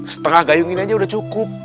setengah gayung ini aja udah cukup